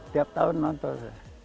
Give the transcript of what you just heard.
tiap tahun nonton